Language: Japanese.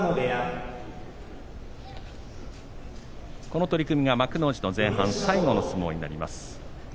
この取組が幕内前半戦最後の相撲になります。